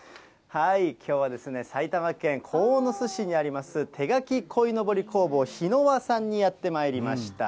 きょうは埼玉県鴻巣市にあります、手描き鯉のぼり工房ヒノワさんにやってまいりました。